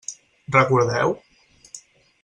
Recordeu?